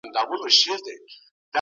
په ليرو پرتو سیمو کي کتابتونونه نه وو.